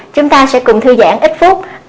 chúng ta sẽ cùng thư giãn ít phút